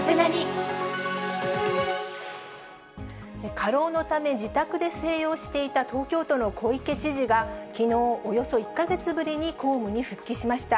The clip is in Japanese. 過労のため、自宅で静養していた東京都の小池知事が、きのう、およそ１か月ぶりに公務に復帰しました。